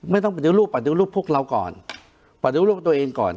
ไม่ต้องไปดูรูปประดูกรูปพวกเราก่อนประดูกรูปตัวเองก่อน